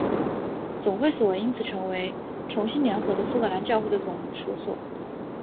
总会所因此成为重新联合的苏格兰教会的总会所。